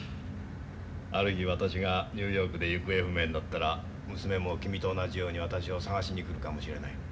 ある日私がニューヨークで行方不明になったら娘も君と同じように私を捜しに来るかもしれない。